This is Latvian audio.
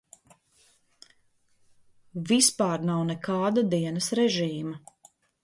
Vispār nav nekāda dienas režīma.